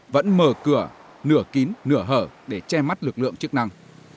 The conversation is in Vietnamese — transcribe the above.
vẫn mở cửa nửa kín nửa hở để che mắt lực lượng chức năng